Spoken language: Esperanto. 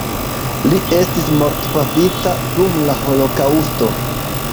Li estis mortpafita dum la holokaŭsto.